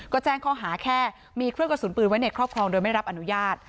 ก็แจ้งข้อหาแค่มีเครื่องกระสุนปืนไว้ในครอบครองโดยไม่รับอนุญาต